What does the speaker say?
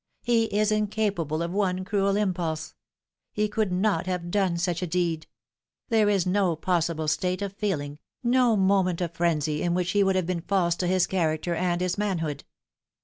He is incapable of one cruel impulse. He could not have done such a deed. There is no possible state of feeling, no moment of frenzy, in which he would have been false to his character and his manhood."